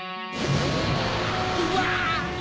うわ！